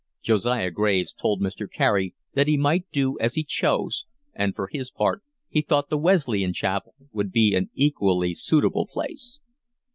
Josiah Graves told Mr. Carey that he might do as he chose, and for his part he thought the Wesleyan Chapel would be an equally suitable place.